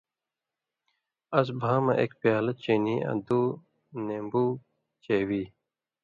اس بھاں مہ ایک پیالہ چینی آں دُو نیمبو چیوی۔